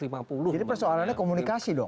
jadi persoalannya komunikasi dong